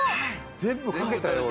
全部かけたよ俺。